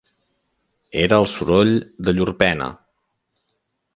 Era el soroll de llur pena.